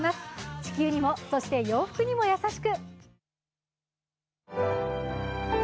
地球にも、そして洋服にも優しく。